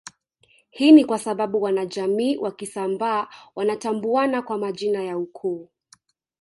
Hii ni kwasababu wanajamii wa Kisambaa wanatambuana kwa majina ya ukoo